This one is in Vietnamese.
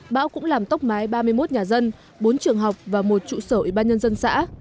bão cũng làm tốc mái ba mươi một nhà dân bốn trường học và một trụ sở ủy ban nhân dân xã